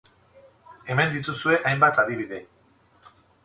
Hemen dituzue hainbat adibide.